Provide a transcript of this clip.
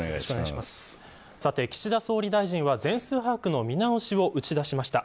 岸田総理大臣は全数把握の見直しを打ち出しました。